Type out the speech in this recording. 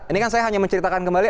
ini kan saya hanya menceritakan kembali